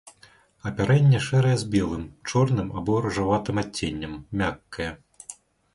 Апярэнне шэрае з белым, чорным або рыжаватым адценнем, мяккае.